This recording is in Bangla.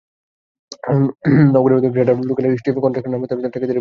নগরের গ্রেডার রোড এলাকায় ইস্টি কনস্ট্রাকশন নামে তাঁর ঠিকাদারি প্রতিষ্ঠানের কার্যালয় অবস্থিত।